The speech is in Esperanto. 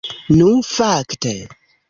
Nu fakte!